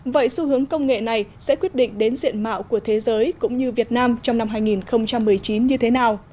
vậy xu hướng công nghệ này sẽ quyết định đến diện mạo của thế giới cũng như việt nam trong năm hai nghìn một mươi chín như thế nào